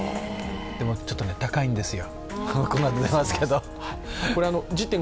でも、ちょっと高いんですよ。